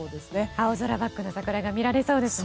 青空バックの桜が見られそうですね。